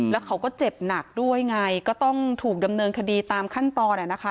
แล้วเขาก็เจ็บหนักด้วยไงก็ต้องถูกดำเนินคดีตามขั้นตอนอ่ะนะคะ